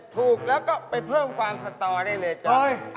ถูกแล้วก็ไปเพิ่มความสตอได้เลยจ้ะ